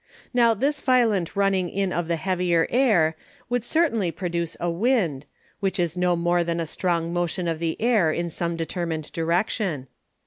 Now this violent running in of the heavier Air would certainly produce a Wind, which is no more than a strong Motion of the Air in some determined Direction.